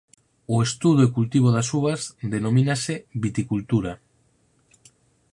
O estudo e cultivo das uvas denomínase viticultura.